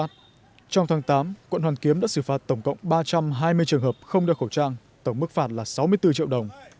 trong tháng tám quận hoàn kiếm đã xử phạt tổng cộng ba trăm hai mươi trường hợp không đeo khẩu trang tổng mức phạt là sáu mươi bốn triệu đồng